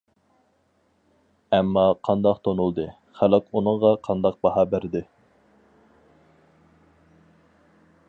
ئەمما قانداق تونۇلدى، خەلق ئۇنىڭغا قاندا باھا بەردى.